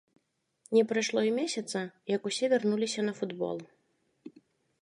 Не прайшло і месяца, як усе вярнуліся на футбол.